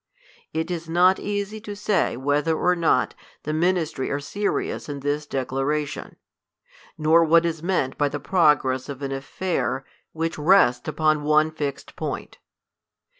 It is not easy to say whether or not the ministry are serious in this decla ration ; nor what is meant by the progress of an affair, L which 122 THE COLUMBIAN ORATOR. \ which rests upon one fixed point.